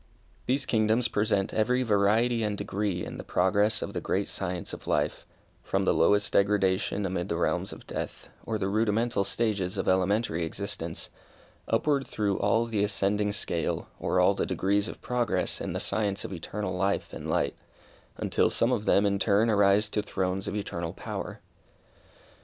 These kingdoms present every variety and degree in the progress of the great science of life, from the lowest degradation amid the realms of death, or the rudimental stages of elementary existence, upward through all the ascending scale, or all the degrees of progress in the science of eternal life and light, until some of them in turn arise to thrones of eternal power.